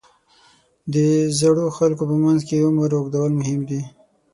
د زړو خلکو په منځ کې د عمر اوږدول مهم دي.